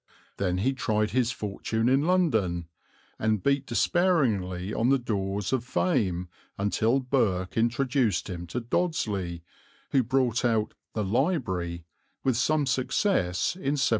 Then he tried his fortune in London and beat despairingly on the doors of fame until Burke introduced him to Dodsley, who brought out The Library with some success in 1781.